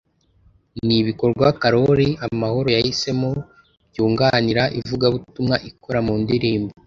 ni ibikorwa Korali Amahoro yahisemo byunganira ivugabutumwa ikora mu ndirimbo